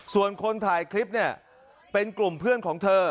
ส่วนคนถ่ายคลิปเนี่ยเป็นกลุ่มเพื่อนของเธอ